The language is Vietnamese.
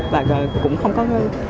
và cũng không có